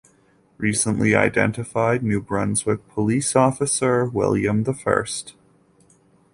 Recently identified, New Brunswick Police Officer William the First.